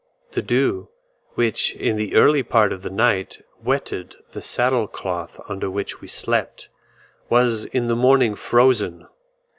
The dew, which in the early part of the night wetted the saddle cloths under which we slept, was in the morning frozen.